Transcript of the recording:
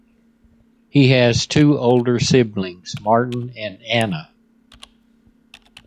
He has two older siblings, Martin and Anna.